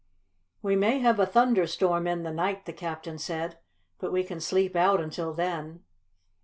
"We may have a thunderstorm in the night," the captain said, "but we can sleep out until then."